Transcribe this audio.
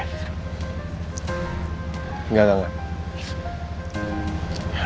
enggak enggak enggak